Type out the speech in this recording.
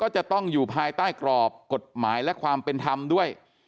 จะต้องอยู่ภายใต้กรอบกฎหมายและความเป็นธรรมด้วย